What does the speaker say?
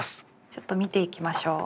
ちょっと見ていきましょう。